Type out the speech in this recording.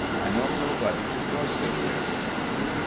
I know nobody to trust it with. Mrs.